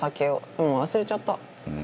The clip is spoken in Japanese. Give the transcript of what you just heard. でも忘れちゃった。